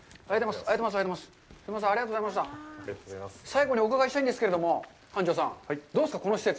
最後にお伺いしたいんですけども、繁昌さん、どうですか、この施設。